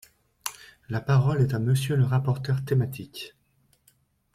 La parole est à Monsieur le rapporteur thématique.